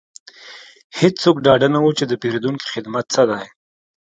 هیڅوک ډاډه نه وو چې د پیرودونکو خدمت څه دی